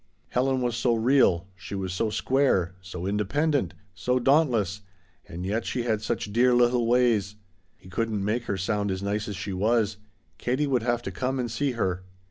Helen was so real she was so square so independent so dauntless and yet she had such dear little ways. He couldn't make her sound as nice as she was; Katie would have to come and see her.